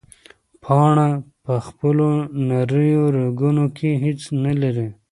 پاڼه په خپلو نریو رګونو کې هیڅ نه لري.